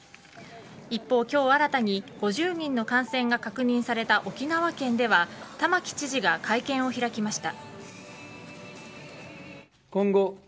一方、今日新たに５０人の感染が確認された沖縄県では玉城知事が会見を開きました。